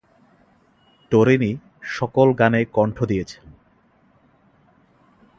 টরিনি সকল গানে কণ্ঠ দিয়েছেন।